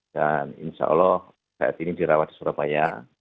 dan insya allah saat ini dirawat di surabaya